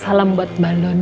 salam buat balon